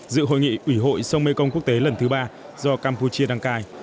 dự hội nghị ủy hội sông mê công quốc tế lần thứ ba do campuchia đăng cài